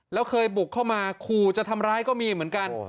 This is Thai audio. แล้วเคยบุกเข้ามาขู่จะทำร้ายก็มีเหมือนกัน